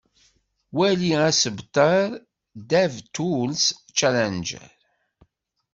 Wali asebter Dev Tools Challenger.